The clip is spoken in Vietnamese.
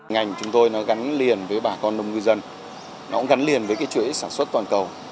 ngành chúng tôi nó gắn liền với bà con nông dân nó cũng gắn liền với cái chuỗi sản xuất toàn cầu